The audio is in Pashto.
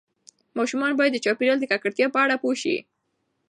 ماشومان باید د چاپیریال د ککړتیا په اړه پوه شي.